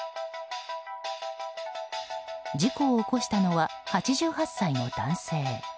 事故を起こしたのは８８歳の男性。